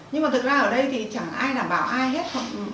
nhưng mà thực ra ở đây thì chẳng ai đảm bảo ai hết họ